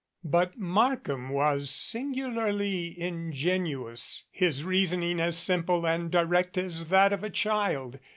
But Mark ham was singularly ingenuous, his reasoning as simple and direct as that of a child.